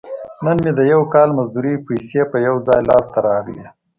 نن مې د یو کال مزدورۍ پیسې په یو ځای لاس ته راغلي.